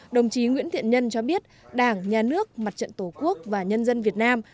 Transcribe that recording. đồng chí nguyễn thiện nhân cho biết đảng nhà nước mặt trận tổ quốc và nhân dân việt nam